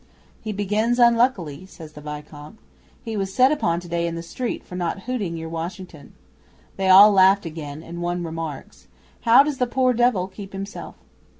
'"He begins unluckily," says the Vicomte. "He was set upon today in the street for not hooting your Washington." They all laughed again, and one remarks, "How does the poor devil keep himself?"